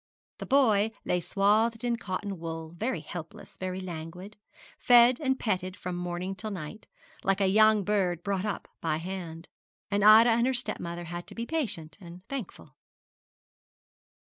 The boy lay swathed in cotton wool, very helpless, very languid, fed and petted from morning till night, like a young bird brought up by hand: and Ida and her stepmother had to be patient and thankful.